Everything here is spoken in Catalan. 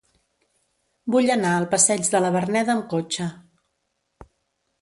Vull anar al passeig de la Verneda amb cotxe.